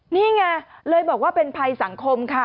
นี่ไงเลยบอกว่าเป็นภัยสังคมค่ะ